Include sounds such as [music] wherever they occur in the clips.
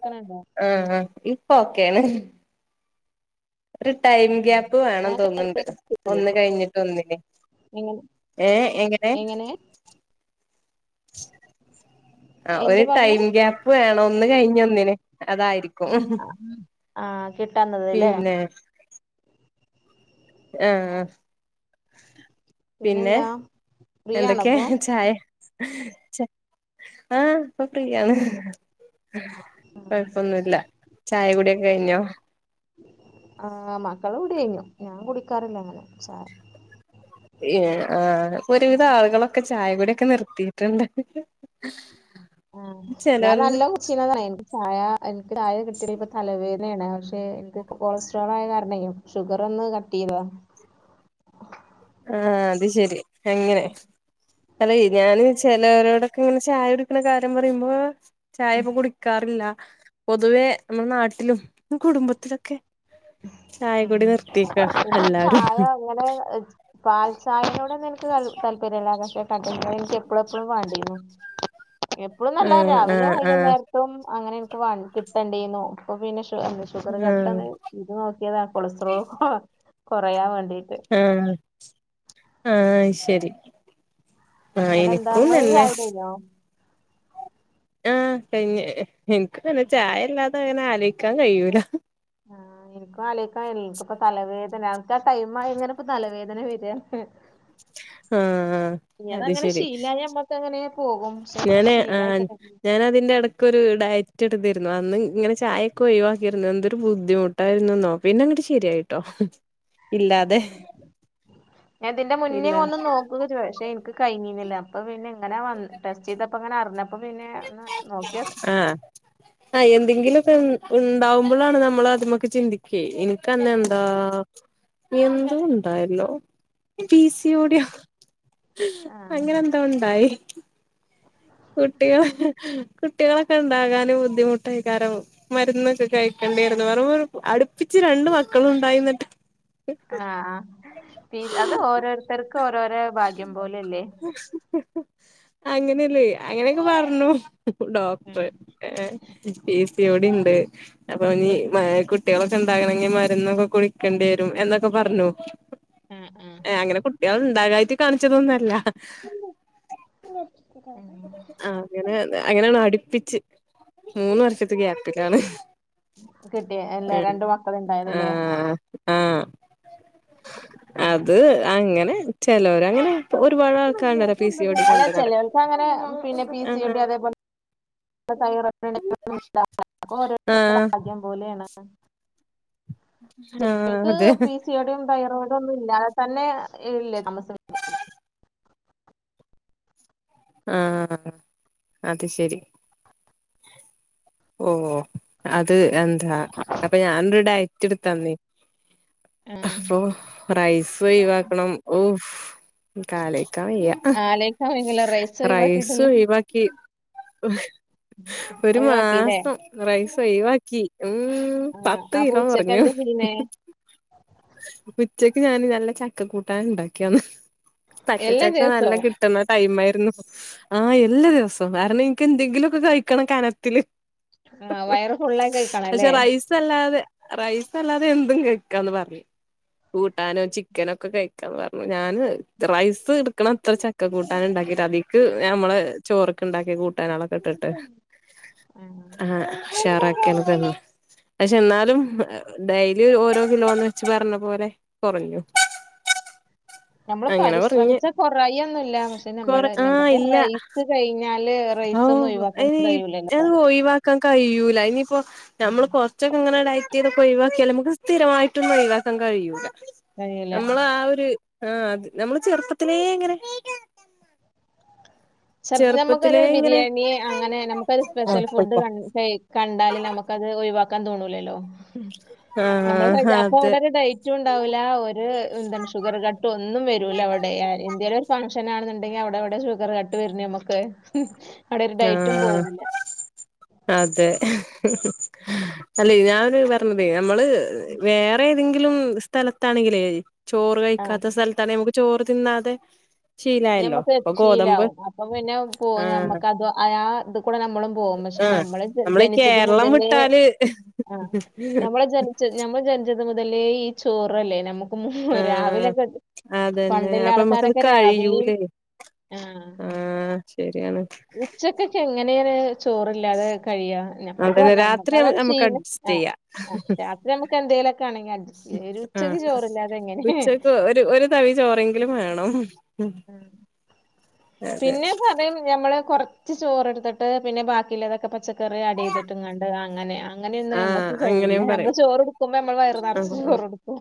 ക്കണ ആഹ് ഇപ്പൊ ഓക്കേണ് ഒരു ടൈം ഗ്യാപ്പ് വേണം നേരത്തെ തോന്നുന്നുണ്ട് ശരിയാക്കി ഒന്ന് കഴിഞ്ഞിട്ട് ഒന്നിന് നിങ്ങള് ഏഹ് എങ്ങനെ ആഹ് എന്ത് ഒരു പറഞ്ഞേ ടൈം ഗ്യാപ്പ് വേണം ഒന്ന് കഴിഞ്ഞ ഒന്നിന് അതായിരിക്കും ആഹ് കിട്ടന്ള്ളത് ലെ പിന്നെ ആഹ് പിന്നെ പിന്നെന്താ ഫ്രീ ആണോ എന്തൊക്കെ ഇപ്പൊ ചായ ച്ച ആഹ് പ്പ ഫ്രീയാണ് കൊഴപ്പൊന്നുല്ല ചായ കൂടിയൊക്കെ കഴിഞ്ഞോ ആഹ് മക്കളെ കുടി കഴിഞ്ഞു ഞാൻ കുടിക്കാറില്ല അങ്ങനെ ചായ ഏഹ് ആഹ് പ്പൊ ഒരുവിധ ആളുകളൊക്കെ ചായകുടിഒക്കെ നിർത്തിട്ട്ണ്ട് ആഹ് ഞാൻ നല്ല കൊച്ചീനന്ന് പറയണ്ട് ആഹ് എനിക്ക് ചായ കിട്ടിയില്ലേ ഇപ്പ തലവേനെണ് പക്ഷെ എനിക്ക് കൊളസ്ട്രോൾ ആയ കാരണയ് ഷുഗർ ഒന്ന് കട്ട് ചെയ്താ ആ അത് ശെരി അങ്ങനെ ചില ഏരിയായില് ചിലവരോടൊക്കെ ഇങ്ങനെ ചായ കുടിക്കണ കാര്യം പറയുമ്പോ ചായ ഇപ്പോ കുടിക്കാറില്ല പൊതുവേ നമ്മുടെ നാട്ടിലും കുടുംബത്തിലൊക്കെ ആ ചായകുടി നിർത്തിയേക്കുവാ പിന്നെ എല്ലാരും ചായ അങ്ങനെ പാൽ ചായനോടെന്നും എനിക്ക് ത താല്പര്യല്ല പക്ഷെ കട്ടൻ ചായ എനിക്ക് എപ്പളും എപ്പളും വാണ്ടിയിരുന്നു എപ്പളൂന്നല്ല ആഹ് രാവിലെയും ആഹ് ആഹ് വൈകുന്നേര വും അങ്ങനെ എനിക്ക് വേ കിട്ടണ്ടീന്നു ഇപ്പൊ പിന്നെ ഷുഗർ ആഹ് കട്ടാണ് ഇത് നോക്കിയതാ കൊളസ്ട്രോൾ കൊറയാൻ വേണ്ടീട്ട് ആഹ് ആഹ് അത് ശരി ആ ഇങ്ങട്ട് എന്താ എനിക്കും ഇങ്ങള് നല്ലേ ചായ കുടി കഴിഞ്ഞോ ആഹ് ക എനിക്കും അങ്ങനെ ചായല്ലാതെ അങ്ങനെ ആലോചിക്കാൻ കഴിയൂല ആഹ് എനിക്കും അലോചിക്കാൻ കഴിയില്ല എനിക്കിപ്പൊ തലവേദന അതാ ടൈമായാൽ അങ്ങനെ ഇപ്പോ നല്ലവേദന വരുക ആഹ് അത് ശരി ഒക്കെ അങ്ങനെയെ പോകും പക്ഷെ അങ്ങനെ ഞാന് ആ ശീലായിക്കിട്ട ഞാന് അതിന്റെ എട ക്കൊരു ഡയറ്റ് എടുത്തിരുന്നു അന്ന് ഇങ്ങനെ ചായൊക്കെ ഒഴിവാക്കിയിരുന്നു എന്തൊരു ബുദ്ധിമുട്ടായിരുന്നെന്നോ പിന്നെങ്ങട്ട് ശരിയായി ട്ടോ ആഹ് ഞാൻ ഇതിന്റെ മുന്നേ ഇല്ല ഒന്ന് നോക്കുവൊക്കെ ചെയ്തതാ പക്ഷേ കഴിഞ്ഞീന്നില്ല അപ്പൊ പിന്നെ എങ്ങനെ ടെസ്റ്റ് ചെയ്തപ്പ അങ്ങനെ അറിഞ്ഞപ്പ പിന്നെ ഒന്ന് നോക്കി നോക്കാം ആഹ് ആ എന്തെങ്കിലുമൊക്കെ ഉണ്ടാവുമ്പോളാണ് നമ്മൾ അതിമേക്ക് ചിന്തിക്കുവെ അന്നെന്താ എന്താ ഉണ്ടായല്ലോ പി സി ഓടി ആഹ് അങ്ങനെ എന്തോ ഉണ്ടായി കുട്ടികള് കുട്ടികളൊക്കെ ഉണ്ടാകാനും ബുദ്ധിമുട്ടായിക്കാരം മരുന്നൊക്കെ കഴിക്കേണ്ടിയിരുന്നു വ അടുപ്പിച്ച് രണ്ടു മക്കളും ഉണ്ടായി എന്നിട്ട് ആഹ് ആഹ് അത് ഓരോരുത്തർക്ക് ഓരോരോ ഭാഗ്യം പോലല്ലേ അങ്ങനല്ലേ അങ്ങനൊക്കെ പറഞ്ഞു ഉം ഡോക്ടർ ഏ പി സി ഓടി ഉണ്ട് അപ്പൊ ഇനി കുട്ടികളൊക്കെ ഉണ്ടാകണങ്കിൽ മരുന്നൊക്കെ കുടിക്കേണ്ടി വരും എന്നൊക്കെ പറഞ്ഞു ആഹ് ആഹ് അങ്ങനെ കുട്ടികൾ ഉണ്ടാകായിട്ട് കാണിച്ചതൊന്നും അല്ല ആഹ് ആഹ് അങ്ങനെ അങ്ങനെയാണ് അടുപ്പിച്ച് മൂന്ന് വർഷത്തെ ഗ്യാപിലാണ് കിട്ടി അല്ലെ രണ്ട്‌ മക്കളുണ്ടായത് അല്ലേ ആഹ് ആഹ് അത് അങ്ങനെ ചിലോര് അങ്ങനെ അല്ല ചെലോർക്ക് അങ്ങനെ പിന്നെ പി സി ആഹ് ഓടി അതേപോലെ [unintelligible] അതൊക്കെ ഓരോരുത്തന്റെ ആഹ് ഭാഗ്യം ആഹ് അതെ [unintelligible] പിസി ഓടിയും തൈറോയിടും ഒന്നും ഇല്ലാതെ തന്നെ ഇല്ലേ ആഹ് അത് ശരി ഓ അത് എന്താ അപ്പ ഞാനൊരു ഡയറ്റ് എടുത്താന്നേ ആഹ് അപ്പൊ റൈസ് ഒഴിവാക്കണം ഓ കാലാക്കാൻ വയ്യ ആലേക്ക ഒഴിവില്ല റൈസ് ഒഴിവാക്കിയിട്ടില്ല ഒയ്വാക്കി ഒരു മാ ഒഴിവാക്കില്ലേ റൈസ് ഒഴിവാക്കി ഉം ആഹ് പത്ത് അപ്പൊ കിലോ ഉച്ചക്ക് കൊറഞ്ഞു. എന്താ ചെയ്യ്ണേ ഉച്ചക്ക് ഞാൻ നല്ല ചക്ക കൂട്ടാൻ ഉണ്ടാക്കിയന്ന് പച്ച എല്ലാ ചക്ക നല്ല ദിവസവും കി കിട്ടുന്ന ടൈം ആയിരുന്നു ആഹ് എല്ലാ ദിവസം കാരണം ഇൻക്ക് എന്തെങ്കിലൊക്കെ കഴിക്കണം കനത്തില്. ആഹ് വയറ് ഫുള്ളായി പക്ഷെ കഴിക്കണംല്ലേ. റൈസ് അല്ലാതെ റൈസ് അല്ലാതെ എന്തും കഴിക്കാന്ന് പർഞ്ഞു. കൂട്ടാനോ ചിക്കന ഒക്കെ കഴിക്കാം പർഞ്ഞു ഞാന് റൈസ് എടുക്ക്ണ അത്ര ചക്ക കൂട്ടാന് ഉണ്ടാക്കീട്ട് അതിക്ക് ഞമ്മള് ചോറ്ക്ക് ണ്ടാക്കി കൂട്ടാനാളൊക്കെ ഇട്ടിട്ട് ഏഹ് ആഹ് ഷാറാക്കിയാണ് തന്നെ. പഷെന്നാലും ഡൈലി ഓരോ കിലോന്ന് വെച്ച് പർഞ്ഞ പോലെ കെറഞ്ഞു. നമ്മള് പരിശ്രമിച്ച കൊറായുന്നല്ല പഷെ കൊറ നമ്മളെ ആഹ് നമ്മക്ക് ഇല്ല റൈ ച്ച് കയിഞ്ഞാല് റൈസൊന്നും ഒയിവാക്കാൻ കഴിയൂലല്ലോ. ഒയിവാക്കാൻ കയ്യൂല ഇനിയിപ്പോ നമ്മള് കൊ ച്ചക്കെങ്ങനെ ഡയറ്റ്യ്തൊക്ക ഒഴിവാക്കിയാല് മ്മക്ക് സ്ഥിരമായിട്ട്ന്നും ഓയിവാക്കൻ കഴിയൂല. കഴിയൂല. നമ്മളാ ആ ഒരു ആഹ് അത് നമ്മള് ചെറുപ്പത്തിലേങ്ങനെ ചെൽപ്പോ ഞമ്മക്കേന്നേ ചെറുപ്പത്തിലേ ഇങ്ങനെ ബിരിയാണി അങ്ങനെ നമുക്കൊരു സ്പെഷ്യൽ ആഹ് ഫുഡ് പോയ്ക്കോ ക ഹേയ് കണ്ടാല് നമ്മക്കത് ഒയിവാക്കാൻ തോന്നൂലല്ലോ. നമ്മള് പരിജ ആഹ് അപ്പൊ അതെ അവടെ ഒരു ഡയി കുറ്റുണ്ടാവൂലാ ഒരു എന്താണ് ഷുഗറ്കട്ട് ഒന്നും വരൂലവടെ ഏ ഇന്ത്യയി ഫണ്ഷനാണെന്നുണ്ടെങ്കി അവടെ ഏവടെ ഷുഗറ്കട്ട് വെര്ന് മ്മക്ക്. ആഹ് അതെ അല്ലെ ഞാരു പർഞ്ഞതേയ് നമ്മള് വേ വേറെതെങ്കിലും സ്ഥലത്താണെങ്കിലേ ചോറ് ആ കഴിക്കാത്ത സെൽത്താണെ നമ്മക്ക് ചോറ് തിന്നാതെ ശീലായല്ലോ ഞമ്മക്ക് അപ്പൊ ഗോതമ്പ് ശീലാവും. അപ്പൊ പിന്നെ പോ ആഹ് ഞമ്മക്കത് ആ ഇത് കൂടെ നമ്മളും പോകും. പക്ഷെ ആഹ് നമ്മള് ജ നമ്മളെ ഇ ജനിച്ചത് കേര്ളം മുതലേ വ്ട്ടാല് ആഹ് ഞമ്മള് ജനിച്ചത് ഞമ്മള് ജനിച്ചത് മുതലേ ഈ ചോറല്ലേ നമ്മക്ക് ആഹ് രാവിലൊക്കെ പണ്ടില്ലാൾക്കാരൊക്കെ രാവ് യൂലെ ആഹ് ശരിയാണ്. ഉച്ചക്കൊക്കെ എങ്ങനെണ് ചോറില്ലാതെ കഴിയാ ഞമ്മള്പ്പോ അതന്നെ രാത്രി ഞമ്മക്കതാണ് നമുക്ക് ശീലം അഡ്ജസ്റ്റ് ആ ചെയ്യാം ആ രാത്- നമ്മക്ക് എന്തേലൊക്കാ ണെങ്കി അഡ്ജസ്റ്റ് ഒരു ആഹ് ഉച്ചയ്ക്ക് ചോറ്ല്ലാതെ എങ്ങനെ ഉച്ചക്ക് ഒരു ഒരു തവി ചോറെങ്കിലും വേണം. ആഹ് അതെ പിന്നെ പറയും ഞമ്മള് കൊറച്ച് ചോറെടുത്തിട്ട് പിന്നെ ബാക്കിള്ള തൊക്കെ പച്ചക്കറി ആഡ്യ്തിട്ടുങ്ങാണ്ട് അഹ് അങ്ങനെ ആഹ്. അങ്ങനെയൊന്നു ആഹ് ഞമ്മക്ക് കഴിയില്ല അങ്ങനെയും നമ്മള് പറയും ചോറെടുക്കുമ്പോ നമ്മള് വയറ് നർച്ചു ആഹ് ചോറ്ട്ക്കും.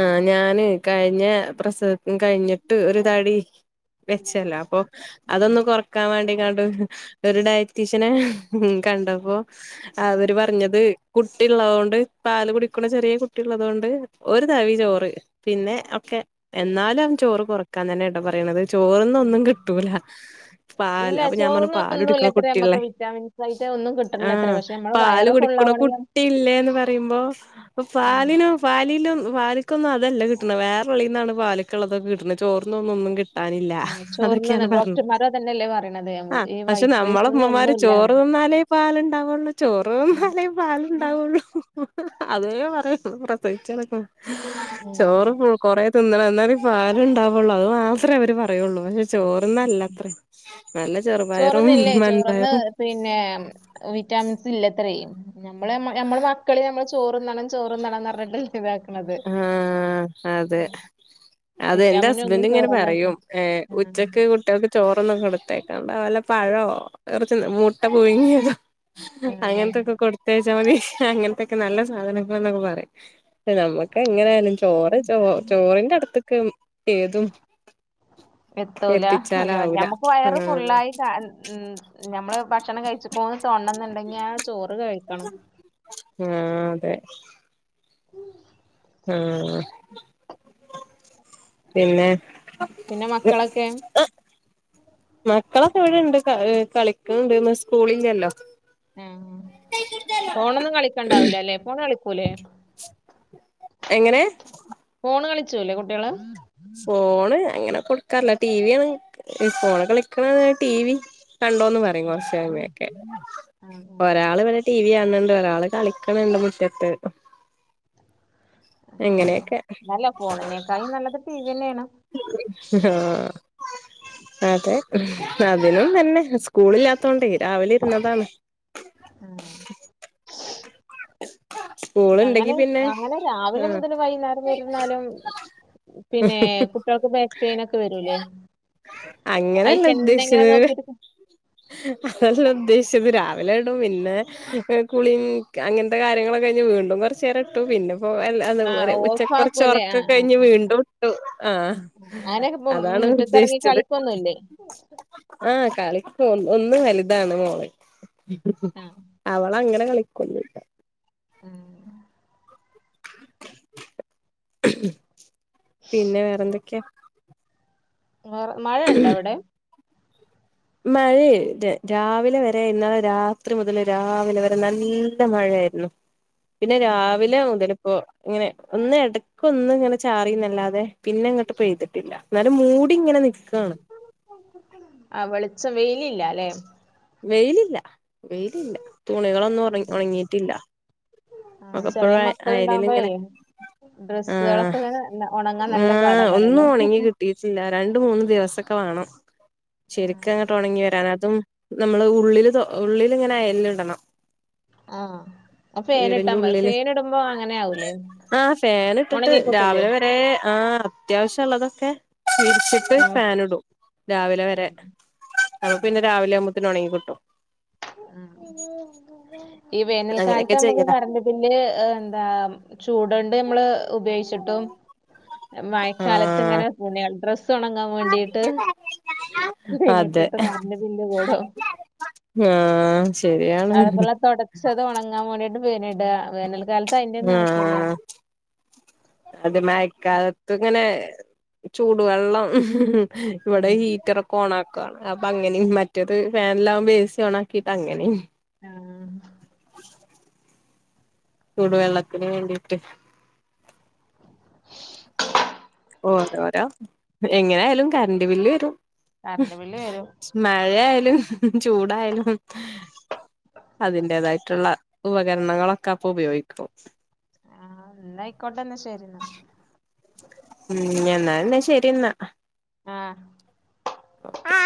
ആഹ് ഞാന് കഴിഞ്ഞ പ്രസവം കഴിഞ്ഞിട്ട് ഒരു തടി വെച്ചല്ലോ അപ്പൊ അതൊന്നു കൊറക്കാൻ വേണ്ടിങ്ങാണ്ട് ഒരു ഡയ് റ്റീഷനെ ഉം കണ്ടപ്പോ അവര് പറ ത് കുട്ടിള്ളൊതൊണ്ട് പാല് കുടിക്ക്ണ ചെറിയ കുട്ടിള്ളതോണ്ട് ഒരു തവി ചോറ് പിന്നെ ഒക്കെ എന്നാലും അവര് ചോറ് കൊറക്കാൻ തന്നേട്ടോ പറയണത്. ചോറ്ന്നൊന്നും കിട്ടൂലാ. പാല് ഇല്ല അപ്പൊ ഞാൻ പർഞ്ഞു ചോറിന് പാലുടിക്ക്ണ ഒന്നുല്ലത്രേ കുട്ടിള്ള ഞമ്മക്ക് വിറ്റാമിൻസ് ആയിട്ട് ഒന്നും കിട്ടണില്ലത്രേ ആഹ് പക്ഷെ ഞമ്മളെ പാല് വയറ് കുടി ക്ക്ണ ഫുള്ളാവണെങ്കി കുട്ടില്ലേന്ന് പറയുമ്പോ ആഹ് പാലിനോ പാലിലം പാലിക്കൊന്നും അതല്ല കിട്ട്ണേ വേറെ ഉള്ളീന്നാണ് പാൽക്ക്ള്ളതൊക്കെ കിട്ട്ണേ ചോർന്നൊന്നും ഒന്നും കി ട്ടാനില്ല ആഹ് ചോറിന് അതൊക്കെയാണ് പർഞ്ഞത് ഡോക്ടർമാരും അതന്നെല്ലേ പറയണത് ആഹ് ഈ പക്ഷെ വൈറ്റ് നമ്മള റൈസിനൊന്നും ഇമ്മമാര് ഒന്നുല്ല ചോറ് തിന്നാലേ പാലുണ്ടാവുള്ളൂ ചോറ് തിന്നാലേ പാലുണ്ടാവുള്ളൂ. അതേ പറയു പ്രസവിച്ചടക്കു ചോറ് ആഹ് [unintelligible] കൊറെ തിന്നണം എന്നാലെ പാല് ഇണ്ടാവുള്ളൂ. അത് മാത്രേ അവര് പറയുള്ളൂ പക്ഷേ ചോർന്നല്ലത്രേ നല്ല ചെറുപയറും, ചോറ്ന്നില്ലേ ചോറ്ന്ന് വൻപയറും പിന്നെ വിറ്റാമിൻസ് ഇല്ലത്രേ. ഞമ്മളെ മ്മ ഞമ്മള് മക്കളെ ഞമ്മള് ചോർന്നണം ചോർന്നണം ന്നർഞ്ഞിട്ട് ഇതാക്ക്ണത്. ആഹ് അതെ അതെ എന്റെ വിറ്റാമിനും ഒന്നും ഹസ്ബൻ്റ് ഇങ്ങനെ ചോറ്ന്ന പറയും ഏഹ് ഉച്ചക്ക് കുട്ട്യൾക്ക് ചോറൊന്ന് കൊടുത്തേക്കണ്ട വല്ല പഴോ കുറച്ച് മുട്ട പുഴുങ്ങിയതോ അങ്ങൻത്തക്കെ കൊടുത്തയച്ചാ മതി അങ്ങൻത്തക്കെ നല്ല സാധനങ്ങളാ ന്നൊക്കെ പറിം നമ്മ എങ്ങനായാലും ചോറ് ചോ ചോറിന്റെ അട്ത്ത്ക്കെ ഏതും എത്തൂല ഞ എത്തിച്ചാലാവൂല ഞമ്മക്ക് വയറ് ആഹ് ഫുള്ളായി കാ ഉം ഞമ്മള് ഭക്ഷണം കഴിച്ചപ്പോന്ന് തോന്ന്ന്നുണ്ടെങ്കി ചോറ് കഴിക്കണം. ആഹ് അതെ ആഹ് പിന്നെ? പിന്നെ മക്കളക്കെ? മക്കളക്കെ ഇവടണ്ട് ക ഹ് കളിക്ക്ണ്ട് ഇന്ന് സ്കൂളില്ലല്ലോ. ആഹ് ആഹ് ഫോണൊന്നും കളിക്കണ്ടാവൂലല്ലേ ഫോണ് കളിക്കൂലേ? എങ്ങനേ? ഫോണ് കളിച്ചൂല്ലേ കുട്ട്യള്? ഫോണ് അങ്ങനെ കൊടുക്കാറില്ല ടി വി ആണ് ഫോണ് കളിക്ക്ണ ടി വി കണ്ടോന്ന് പറിം ഉം. കൊർച്ച് കഴിയുമ്പഴൊക്കെ ആ, ആ. ഒരാള് ഇവടെ ടി വി കാൺണ് ണ്ട് ഒരാള് കളിക്ക്ണ് ണ്ട് മുറ്റത്ത് അങ്ങനെയൊക്കെ നല്ല ഫോണ്നെക്കായും നല്ലത് ടി വി തന്നേണ്. ആഹ് അതെ അതിനും തന്നെ സ്‌ കൂളില്ലാത്തോണ്ടേ രാവിലെ ഇരുന്നതാണ്. തന്നെയാണ് സ്കൂള്ണ്ടെങ്കി അങ്ങനെ പിന്നെ അങ്ങനെ രാവിലെ ആഹ് മുതല് വൈകുന്നേരം വര ഇരുന്നാലും പിന്നേ കുട്ട്യൾക്ക് ബാക്ക്പെയിനൊക്കെ വരൂലേ? അങ്ങനെയല്ല അയ്ക്കന്നെ ഇങ്ങനെ ഉദ്ദേശിച്ചത് നോക്കിയിട്ക്കും. അതല്ല ഉദ്ദേശിച്ചത് രാവിലേണ് പിന്നെ കുളിങ്ങ് ക്ക അങ്ങൻത്തെ കാര്യങ്ങളൊക്കെ കഴിഞ്ഞ് വീണ്ടും കൊർച്ചേരം ഇട്ടു പിന്നെ പോവല്ല. ആ അതുപോലെ ഉച്ച ഓഫ് കൊർച്ച് ആക്കൂലേ ആ ഒറക്കം ആ കഴിഞ്ഞ് ആ വീണ്ടും ട്ടു ആഹ് അതാണ് ഉദ്ദേശിച്ചത്. പ്പൊന്നുല്ലേ? ആഹ് കളിക്കും ഒന്ന് ഒന്ന് വലുതാണ് മോള് ആ അവളങ്ങനെ കളിക്കൊന്നുല്ല. ആഹ് ആഹ് പിന്നെ വേറെന്തൊക്കെ? വേറ മഴയണ്ടാ അവടെ? മഴേ ര രാവിലെ വരെ ഇന്നലെ രാത്രി മുതല് രാവിലെ വരെ നല്ല മഴയായിരുന്നു. പിന്നെ ആ രാവിലെ മുതലിപ്പൊ ഇങ്ങനെ ഒന്ന് എടക്കൊന്ന് ഇങ്ങനെ ചാറീന്നല്ലാതെ പിന്നെങ്ങട്ട് പെയ്തിട്ടില്ല ന്നാലും മൂടി ഇങ്ങനെ നിക്കാണ്. ആഹ് വെളിച്ചം വെയിലില്ല അല്ലെ വെയിലില്ല വെയിലില്ല തുണികളൊന്നും ഒറങ് ഒണങ്ങീട്ടില്ല ആ ഒകപ്പൊഴും അയ അയലീലിങ്ങനെ ഡ്രെസ്സുകളൊക്ക ഇങ്ങനെ ഒണങ്ങാൻ നല്ല പാടാക്കാര അല്ലേ ങ്ങി കിട്ടിയിട്ടില്ല രണ്ട് മൂന്ന് ദിവസൊക്കെ വേണം ശെരിക്കങ്ങട്ട് ഒണങ്ങി വരാൻ അതും നമ്മള് ഉള്ളില് ഇത്‌ ഉള്ളിലിങ്ങനെ അയേല് ഇടണം ആഹ് അ ഫാനിട്ടാ വീടിന്റെ മ ഉള്ളില് ഫാനിടുമ്പോ അങ്ങനെ ആവൂലേ ആഹ് ഫാനിട്ടിട്ട് ഉണങ്ങിക്കിട്ടൂലേ രാവിലെ വരെ ആഹ് അത്യാവശ്യം ള്ളതൊക്കെ വിരിച്ചിട്ട് ആ ഫാനിടും രാവിലെ ആ വരെ അപ്പ ആ പിന്നെ രാവിലെ ആവുമ്പോത്തേനും ഉണങ്ങി കിട്ടും ഉം ഉം ഈ അങ്ങനെയൊക്കെ വേനൽക്കാലത്ത് നമ്മക്ക് ചെയ്യല കറന്റ് കുഞ്ഞിന് എന്താ ചൂടുണ്ട് നമ്മള് ഉപയോഗിച്ചിട്ടും മഴക്കാലത്ത് ആഹ് ഇങ്ങനെ തുണികൾ ഡ്രസ്സ് ഒണങ്ങാൻ വേണ്ടീട്ട് അതെ ഫാനിട്ടിട്ടും കാര്യമില്ല ബില്ല് കൂടും ആഹ് ശരിയാ അതേപോലെ തൊടച്ചത് ഒണങ്ങാൻ വേണ്ടിട്ടും ഫാനിടുകയാ ആഹ് അത് മയക്കാലത്ത് ഇങ്ങനെ ചൂടുവെള്ളം ഇവിടെ ഉം ഹീറ്ററൊ ഓണാക്ക അപ്പങ്ങനിം മറ്റത് വേൻലാകുമ്പോ എ സി ഓണക്കിട്ടങ്ങനിം ആഹ് ചൂടുവെള്ളത്തിന് വേണ്ടിട്ട് ഓരോരോ എങ്ങനെയാലും കരന്റ് ബില്ല് വരും കരന്റ്ബില്ല് വരും മഴയാലുംചൂടായാലും അതിന്റെതായിട്ടുള്ള ഉപകരണങ്ങളൊക്കെ അപ്പൊ ഉപയോഗിക്കും ആഹ് എന്നയിക്കോട്ടെ എന്ന ശെരിന്ന ഉം എന്നാന്നാ ശരിന്നാ ആഹ് ഓക്കെ